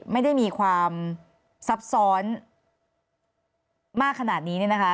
ไม่ได้มีความซับซ้อนมากขนาดนี้เนี่ยนะคะ